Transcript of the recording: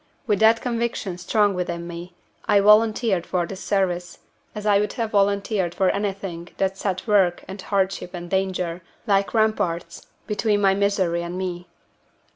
With that conviction strong within me, I volunteered for this service, as I would have volunteered for anything that set work and hardship and danger, like ramparts, between my misery and me.